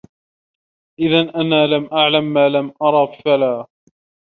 إذَا أَنَا لَمْ أَعْلَمْ مَا لَمْ أَرَ فَلَا